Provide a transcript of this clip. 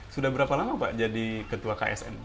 sudah berapa lama pak jadi ketua ksn